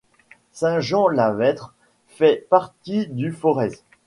Saint-Jean-la-Vêtre fait partie du Forez.